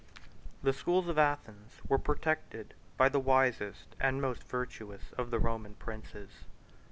147 The schools of Athens were protected by the wisest and most virtuous of the Roman princes.